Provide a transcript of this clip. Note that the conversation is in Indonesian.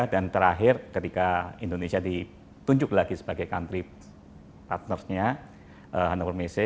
dan terakhir ketika indonesia ditunjuk lagi sebagai country partner nya hannover messe